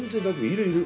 いるいる。